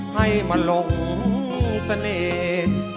ให้มาหลงเสน่ห์